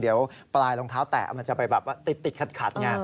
เดี๋ยวปลายรองเท้าแตะมันจะไปแบบว่าติดขัดไง